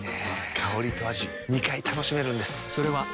香りと味２回楽しめるんです。